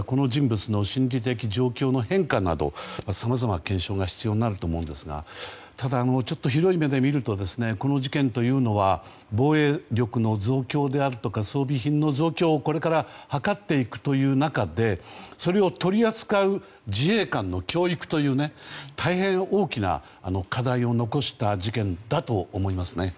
それから、この人物の心理的状況の変化などさまざまな検証が必要になると思いますがただ、ちょっと広い目で見るとこの事件というのは防衛力の増強であるとか装備品の増強をこれから図っていくという中でそれを取り扱う自衛官の教育という大変、大きな課題を残した事件だと思いますね。